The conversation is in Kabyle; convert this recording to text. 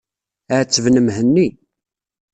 Ɛettben Mhenni.